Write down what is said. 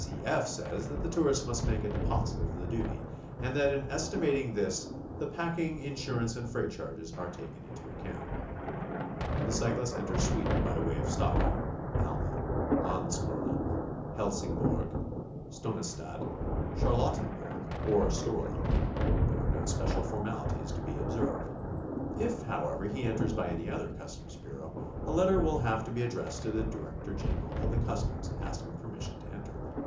C. F. says that the tourist must make a deposit of the duty, and that in es timating this the packing, insurance and freight charges are taken into account. When the cyclist enters Sweden by way of Stockholm, Malmo, Landskrona, Helsingborg, Stonistad, Charlottenberg, or Storlim, there are no special formalities to be observed. If, however, be enters by any other customs bureau, a letter will have to be addressed to the director general of the customs asking permission to enter.